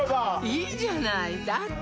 いいじゃないだって